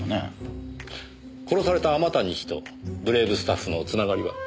殺された天谷氏とブレイブスタッフのつながりは？